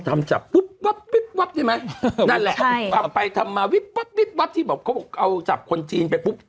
ทำวิบวับดิได้ไหมใช่นั่นแหละเอาไปทำมาวิบวับวิบวับที่บอกเขาบอกเขาบอกเอาจับคนจีนไปพุก